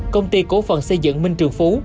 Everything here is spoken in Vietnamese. công ty cổ phần xây dựng minh trường phú